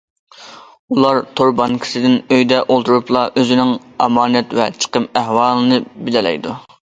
ئۇلار تور بانكىسىدىن ئۆيدە ئولتۇرۇپلا ئۆزىنىڭ ئامانەت ۋە چىقىم ئەھۋالىنى بىلەلەيدۇ.